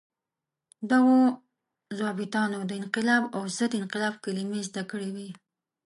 دغو ظابیطانو د انقلاب او ضد انقلاب کلمې زده کړې وې.